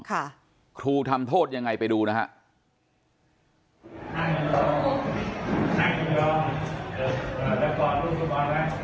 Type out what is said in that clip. ครูทำโทษยังไงไปดูนะฮะ